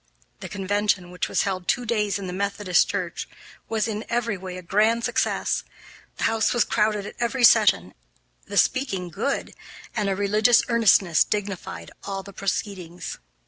The convention, which was held two days in the Methodist Church, was in every way a grand success. The house was crowded at every session, the speaking good, and a religious earnestness dignified all the proceedings.